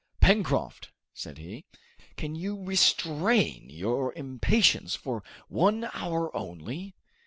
"Pencroft," said he, "can you restrain your impatience for one hour only?"